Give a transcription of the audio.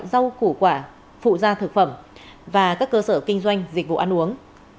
rau củ quả phụ gia thực phẩm và các cơ sở kinh doanh dịch vụ ăn uống